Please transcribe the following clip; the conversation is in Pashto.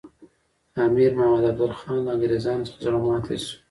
امیر محمد افضل خان له انګریزانو څخه زړه ماتي شو.